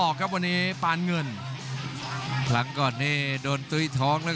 ขวางเอาไว้ครับโอ้ยเด้งเตียวคืนครับฝันด้วยศอกซ้าย